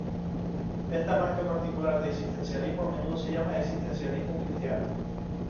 Esta marca particular de existencialismo a menudo se llama existencialismo cristiano.